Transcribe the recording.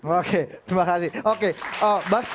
oke terima kasih